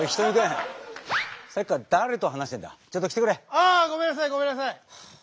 ああごめんなさいごめんなさい。